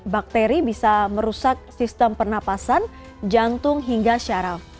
bakteri bisa merusak sistem pernapasan jantung hingga syaraf